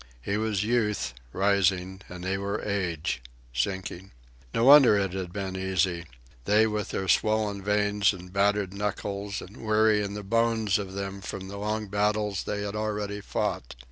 He was Youth, rising; and they were Age, sinking. No wonder it had been easy they with their swollen veins and battered knuckles and weary in the bones of them from the long battles they had already fought.